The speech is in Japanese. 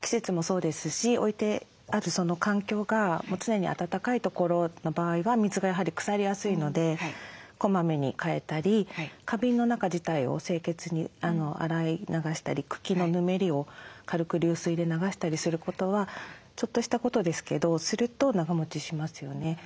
季節もそうですし置いてあるその環境がもう常に暖かい所の場合は水がやはり腐りやすいのでこまめに換えたり花瓶の中自体を清潔に洗い流したり茎のぬめりを軽く流水で流したりすることはちょっとしたことですけどすると長もちしますよね。